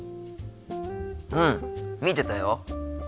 うん見てたよ。